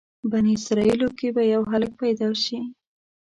بني اسرایلو کې به یو هلک پیدا شي.